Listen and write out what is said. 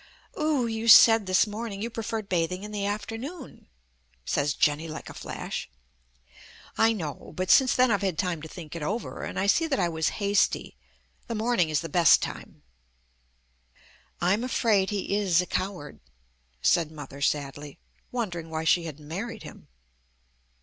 "Oo, you said this morning you preferred bathing in the afternoon," says Jenny like a flash. "I know; but since then I've had time to think it over, and I see that I was hasty. The morning is the best time." "I'm afraid he is a coward," said Mother sadly, wondering why she had married him.